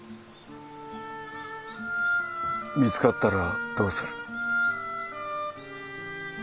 見つかったらどうする？